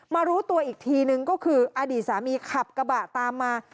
รู้ตัวอีกทีนึงก็คืออดีตสามีขับกระบะตามมา